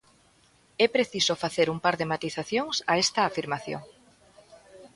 É preciso facer un par de matizacións a esta afirmación.